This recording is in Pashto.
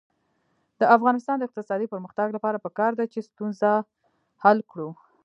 د افغانستان د اقتصادي پرمختګ لپاره پکار ده چې ستونزه حل کړو.